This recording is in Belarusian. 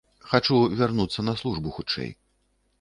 Хачу вярнуцца на службу хутчэй.